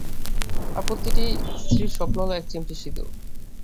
আর প্রতিটি স্ত্রীর স্বপ্ন হলো, এক চিমটি সিঁদুর।